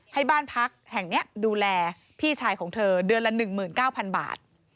ให้บ้านพักแห่งนี้ดูแลพี่ชายของเธอเดือนละ๑๙๐๐บาท